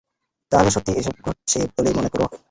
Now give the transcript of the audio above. তাহলে, সত্যিই ওসব ঘটেছে বলে মনে করো?